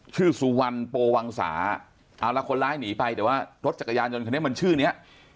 ชื่อสุวรรณโปวังสาเอาละคนร้ายหนีไปแต่ว่ารถจักรยานยนต์คันนี้มันชื่อเนี้ย